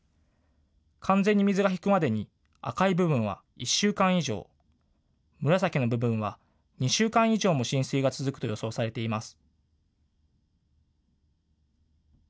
完全に水が引くまでに赤い部分は１週間以上、紫の部分は２週間以上も浸水が続くと予想されています。